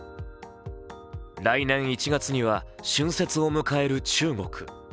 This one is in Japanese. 来年１月には春節を迎える中国。